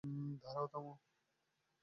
দাঁড়াও, থামো।